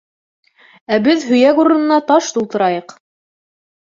— Ә беҙ һөйәк урынына таш тултырайыҡ.